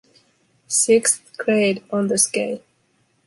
Sixth grade on the scale.